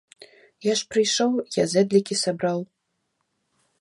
Я ж прыйшоў, я зэдлікі сабраў.